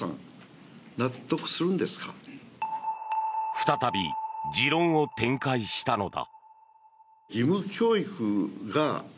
再び持論を展開したのだ。